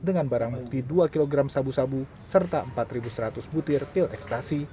dengan barang bukti dua kg sabu sabu serta empat seratus butir pil ekstasi